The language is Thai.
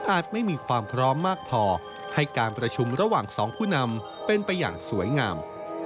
ไม่มีความพร้อมมากพอให้การประชุมระหว่างสองผู้นำเป็นไปอย่างสวยงาม